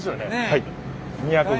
はい。